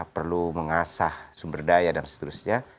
perlu mengasah sumber daya dan seterusnya